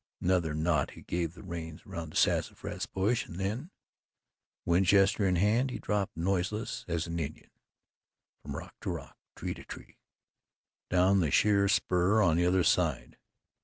Another knot he gave the reins around the sassafras bush and then, Winchester in hand, he dropped noiseless as an Indian, from rock to rock, tree to tree, down the sheer spur on the other side.